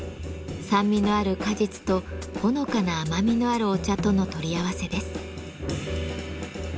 酸味のある果実とほのかな甘みのあるお茶との取り合わせです。